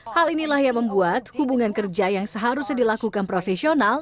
hal inilah yang membuat hubungan kerja yang seharusnya dilakukan profesional